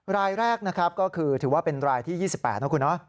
รายแรกก็คือถือว่าเป็นรายที่๒๘นะครับคุณ